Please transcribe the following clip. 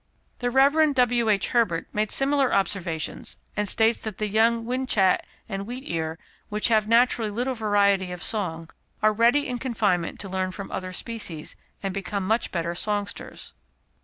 The Rev. W. H. Herbert made similar observations, and states that the young whinchat and wheatear, which have naturally little variety of song, are ready in confinement to learn from other species, and become much better songsters.